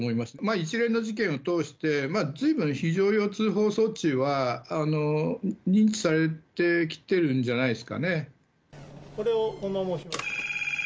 一連の事件を通して、ずいぶん非常用通報装置は認知されてきてるこれをこのまま押します。